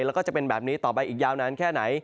แล้วก็จะเป็นแบบนี้ต่อไปอีกยาวนานแค่ไหน